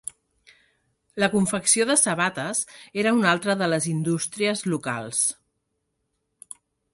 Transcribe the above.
La confecció de sabates era una altra de les indústries locals.